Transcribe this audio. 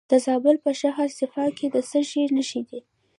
د زابل په شهر صفا کې د څه شي نښې دي؟